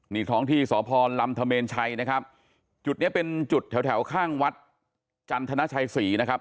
นี่ท้องที่สพลำธเมนชัยนะครับจุดเนี้ยเป็นจุดแถวแถวข้างวัดจันทนาชัยศรีนะครับ